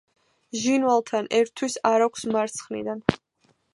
ჟინვალთან ერთვის არაგვს მარცხნიდან.